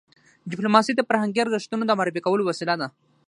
ډيپلوماسي د فرهنګي ارزښتونو د معرفي کولو وسیله ده.